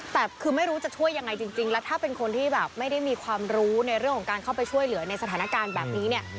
แต่คือไม่รู้จะช่วยยังไงจริงแล้วถ้าเป็นคนที่แบบไม่ได้มีความรู้ในเรื่องของการเข้าไปช่วยเหลือในสถานการณ์แบบนี้เนี่ย